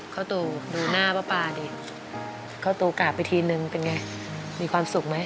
เข้าตูดูหน้าป้าปาดิเข้าตูกราบไปทีนึงเป็นไงมีความสุขไหม